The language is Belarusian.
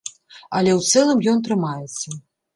Але, у цэлым, ён трымаецца.